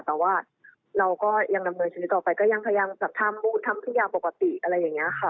แต่ว่าเราก็ยังดำเนินชีวิตต่อไปก็ยังพยายามจัดทำขึ้นยาปกติอะไรอย่างนี้ค่ะ